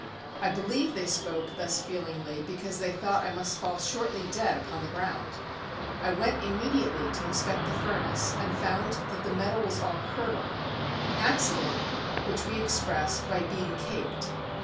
I believe they spoke thus feelingly because they thought I must fall shortly dead upon the ground. I went immediately to inspect the furnace, and found that the metal was all curdled; an accident which we express by "being caked."